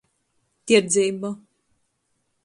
Tierdzeiba.